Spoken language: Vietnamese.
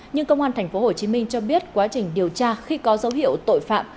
nhưng công an tp hcm cho biết quá trình điều tra khi có dấu hiệu tội phạm